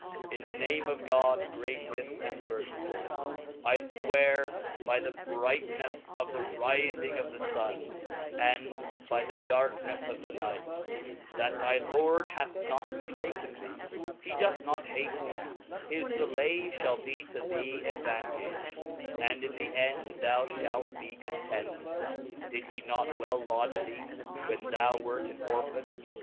TN the name of God, gracious and merciful 1. I fwear hv the Mahomet brightneflfe of the rifing of the Sun, and by thedarknefleof compiiins Nighr, chat thy Lord hath not forfaken thee. He doth not hate ^®^^^' An thee, his delay fliall be to thee advantage, and in the end rhou ?^^,^'^",'^'' {halt be content; Did he not well lodge thee, when thou f^^^ionohad wert an Orphan ?